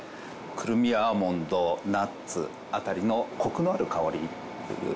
くるみやアーモンドナッツあたりのコクのある香り。